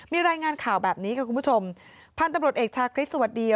มีรายงานข่าวแบบนี้ค่ะคุณผู้ชมพันธุ์ตำรวจเอกชาคริสสวัสดี